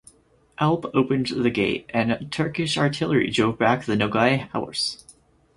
Alp opened the gate and the Turkish artillery drove back the Nogai horse.